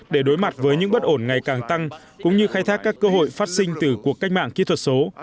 để đối mặt với những bất ổn ngày càng tăng cũng như khai thác các cơ hội phát sinh từ cuộc cách mạng kỹ thuật số